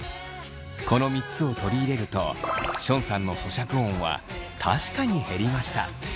この３つを取り入れるとションさんの咀嚼音は確かに減りました。